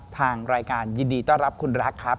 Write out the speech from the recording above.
ทางรายการยินดีต้อนรับคุณรักครับ